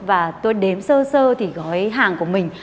và tôi đếm sơ sơ thì gói hàng của mình